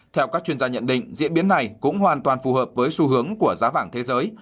theo các chuyên gia nhận định diễn biến này cũng hoàn toàn phù hợp với xu hướng của giá vàng thế giới